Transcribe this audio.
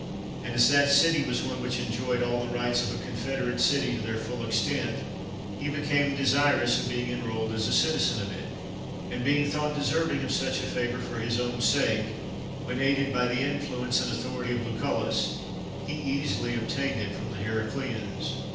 And as that city was one which enjoyed all the rights of a con federate city to their full extent, he became de sirous of being enrolled as a citizen of it. And, being thought deserving of such a favor for his own sake, when aided by the influence and authority of LucuUus, he easily obtained it from the Heracleans.